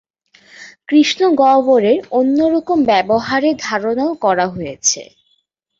কৃষ্ণগহ্বরের অন্য রকম ব্যবহারের ধারণাও করা হয়েছে।